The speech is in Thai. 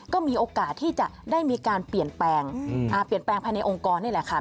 ก็มีโอกาสที่จะได้มีการเปลี่ยนแปลงเปลี่ยนแปลงภายในองค์กรนี่แหละค่ะ